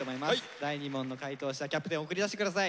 第２問の解答者キャプテン送り出して下さい。